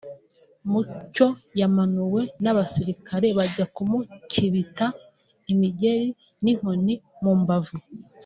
Mucyo yamanuwe n’abasirikare bajya kumukibita imigeri n’inkoni mu mbavu